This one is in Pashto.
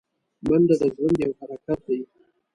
منډه د ژوند یو حرکت دی